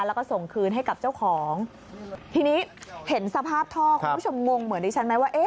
แล้วก็ส่งคืนให้กับเจ้าของทีนี้เห็นสภาพท่อคุณผู้ชมงงเหมือนดิฉันไหมว่า